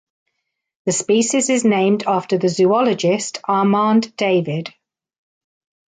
The species is named after the zoologist Armand David.